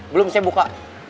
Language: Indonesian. belum saya buka